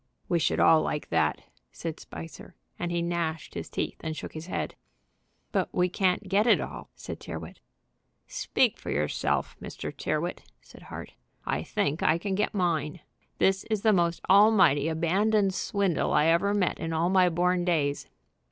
"We should all like that," said Spicer, and he gnashed his teeth and shook his head. "But we can't get it all," said Tyrrwhit. "Speak for yourself, Mr. Tyrrwhit," said Hart. "I think I can get mine. This is the most almighty abandoned swindle I ever met in all my born days."